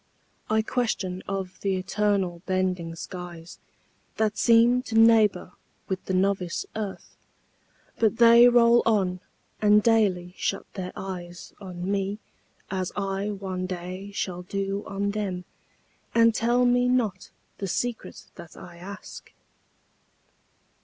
I question of th' eternal bending skies That seem to neighbor with the novice earth; But they roll on, and daily shut their eyes On me, as I one day shall do on them, And tell me not the secret that I ask.